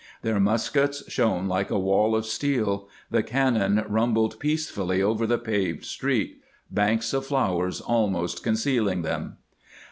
Their muskets shone like a wall of steel. The cannon rumbled peacefully over the paved street, banks of flowers almost concealing them.